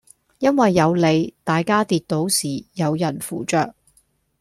因為有你，大家跌倒時有人扶著